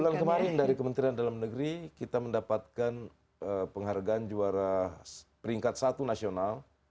bulan kemarin dari kementerian dalam negeri kita mendapatkan penghargaan juara peringkat satu nasional